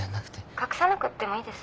隠さなくてもいいです。